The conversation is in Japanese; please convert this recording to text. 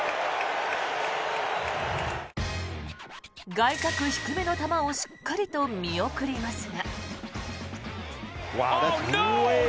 外角低めの球をしっかりと見送りますが。